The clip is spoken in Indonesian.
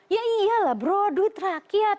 ya iyalah bro duit rakyat